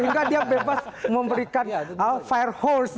sehingga dia bebas memberikan fire holes